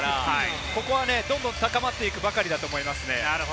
ここは、どんどん高まっていくばかりだと思います。